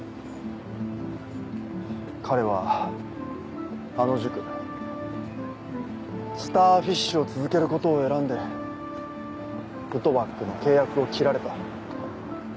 彼はあの塾スターフィッシュを続けることを選んでルトワックの契約を切られた。